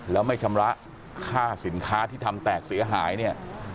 แล้วไม่ชำระค่าสินค้าที่ทำแตกเสียหายเนี่ย